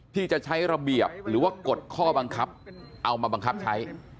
ที่จะใช้ระเบียบหรือว่ากฎข้อบังคับเอามาบังคับใช้